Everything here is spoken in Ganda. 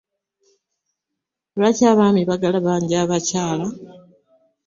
Lwaki abaami bagalabanja abakyala?